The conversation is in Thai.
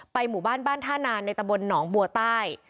หมู่บ้านบ้านท่านานในตะบนหนองบัวใต้